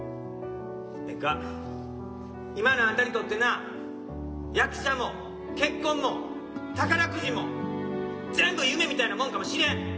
ええか今のあんたにとってな役者も結婚も宝くじも全部夢みたいなもんかもしれん。